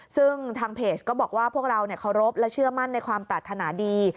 ซึ่งทางเพจก็บอกว่าพวกเราเคารพและเชื่อมั่นในความปรารถนาดี